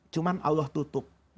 cuman allah tutup